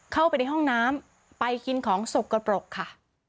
เข้าไปในห้องน้ำไปกินของสกปรกค่ะ